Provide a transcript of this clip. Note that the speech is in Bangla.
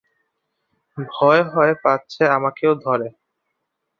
ভয় হয় পাছে আমাকেও ধরে।